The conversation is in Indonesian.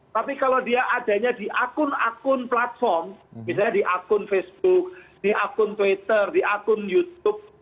tapi kalau dia adanya di akun akun platform misalnya di akun facebook di akun twitter di akun youtube